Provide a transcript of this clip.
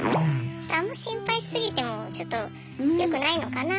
あんま心配し過ぎてもちょっとよくないのかななんて。